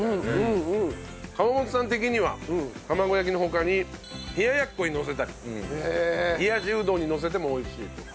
河本さん的には玉子焼きの他に冷奴にのせたり冷やしうどんにのせても美味しいと。